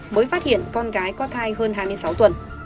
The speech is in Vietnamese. mới phát hiện con gái có thai hơn hai mươi sáu tuần